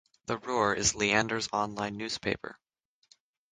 "The Roar" is Leander's online newspaper.